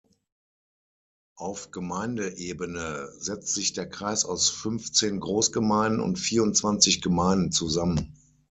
Auf Gemeindeebene setzt sich der Kreis aus fünfzehn Großgemeinden und vierundzwanzig Gemeinden zusammen.